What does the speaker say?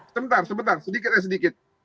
sebentar sebentar sedikit eh sedikit